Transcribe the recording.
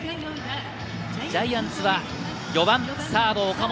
ジャイアンツは４番サード・岡本。